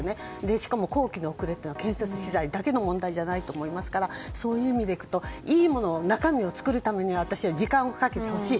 しかも工期の遅れは建設資材だけの問題じゃないと思いますからそういう意味でいくといいものを、中身を作るために私は時間をかけてほしい。